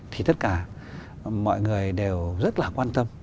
thì tất cả mọi người đều rất là quan tâm